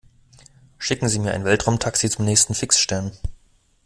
Schicken Sie mir ein Weltraumtaxi zum nächsten Fixstern!